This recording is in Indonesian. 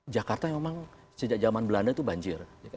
jakarta memang sejak zaman belanda itu banjir